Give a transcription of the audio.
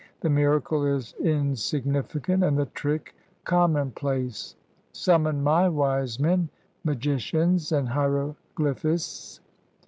The miracle is insignificant, and the trick commonplace. Summon my wise men, magicians, and hieroglyphists."